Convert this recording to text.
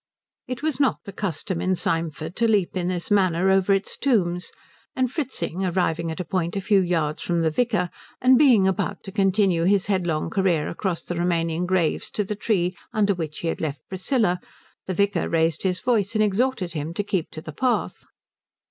It was not the custom in Symford to leap in this manner over its tombs; and Fritzing arriving at a point a few yards from the vicar, and being about to continue his headlong career across the remaining graves to the tree under which he had left Priscilla, the vicar raised his voice and exhorted him to keep to the path.